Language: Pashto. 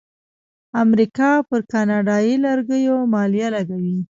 امریکا پر کاناډایی لرګیو مالیه لګوي.